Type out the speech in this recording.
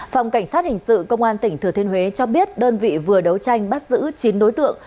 phòng cảnh sát hình sự công an tỉnh thừa thiên huế cho biết đơn vị vừa đấu tranh bắt giữ chín đối tượng